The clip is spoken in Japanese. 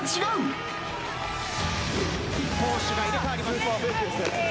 攻守が入れ替わります。